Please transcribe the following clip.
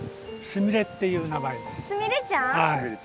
すみれっていう名前です。